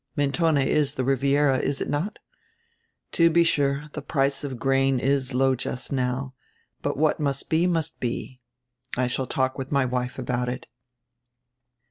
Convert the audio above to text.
Mentone is the Riviera, is it not? To be sure, the price of grain is low just now, but what must be must be. I shall talk with my wife about it."